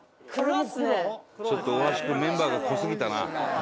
ちょっと大橋くんメンバーが濃すぎたな。